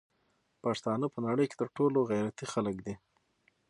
پښتانه په نړی کی تر ټولو غیرتی خلک دی